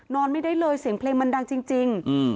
นอนไม่ได้เลยเสียงเพลงมันดังจริง